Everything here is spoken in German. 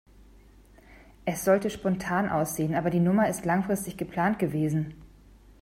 Es sollte spontan aussehen, aber die Nummer ist langfristig geplant gewesen.